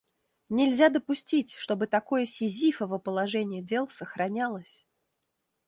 Нельзя допустить, чтобы такое «сизифово» положение дел сохранялось.